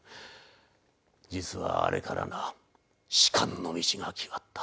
実はあれからな仕官の道が決まった。